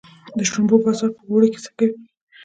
د شړومبو بازار په اوړي کې څنګه وي؟